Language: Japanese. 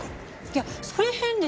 いやそれ変でしょ。